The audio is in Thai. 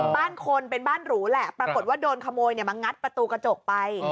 บ้านคนเป็นบ้านหรูแหละปรากฏว่าโดนขโมยมางัดประตูกระจกไป